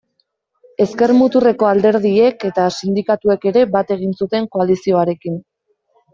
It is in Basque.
Ezker-muturreko alderdiek eta sindikatuek ere bat egin zuten koalizioarekin.